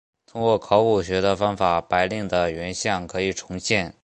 通过考古学的方法白令的原像可以重现。